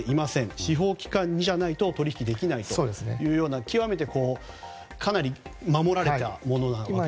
司法機関じゃないと取引できないような極めて、かなり守られたものと。